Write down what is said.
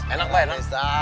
enak mba enak